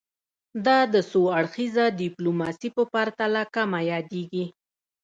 دا د څو اړخیزه ډیپلوماسي په پرتله کمه یادیږي